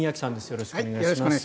よろしくお願いします。